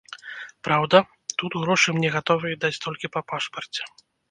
Праўда, тут грошы мне гатовыя даць толькі па пашпарце.